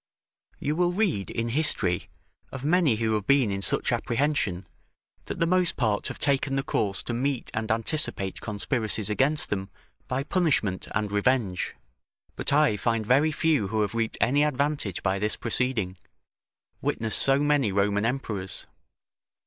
You will read in history, of many who have been in such apprehension, that the most part have taken the course to meet and anticipate conspiracies against them by punishment and revenge; but I find very few who have reaped any advantage by this proceeding; witness so many Roman emperors.